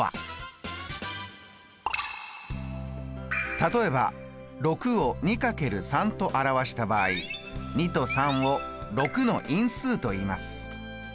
例えば６を２×３と表した場合２と３を「６の因数」といいます。